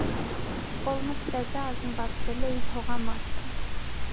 Օլմստեդը ազնվացրել է իր հողամասը։